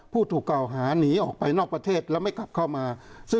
ผู้ถูกกล่าวหาหนีออกไปนอกประเทศแล้วไม่กลับเข้ามา